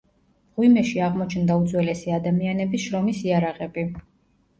მღვიმეში აღმოჩნდა უძველესი ადამიანების შრომის იარაღები.